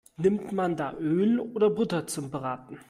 Nimmt man da Öl oder Butter zum Braten?